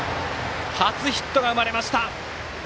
初ヒットが生まれました。